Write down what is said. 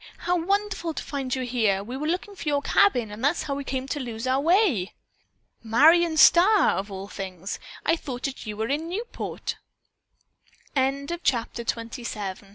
How wonderful to find you here! We were looking for your cabin and that's how we came to lose our way." "Marion Starr, of all things! I thought that you were in Newport!" CHAPTER XXVIII. OLD FRIENDS Jean, Dan